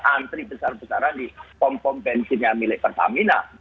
antri besar besarnya di pom pom bensin yang milik pertamina